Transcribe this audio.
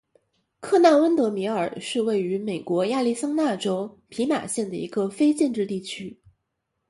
科纳温德米尔是位于美国亚利桑那州皮马县的一个非建制地区。